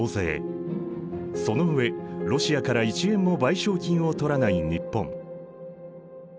その上ロシアから１円も賠償金を取らない日本。